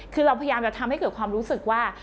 คือเราพยายามจะทำให้เกิดความรู้สึกว่า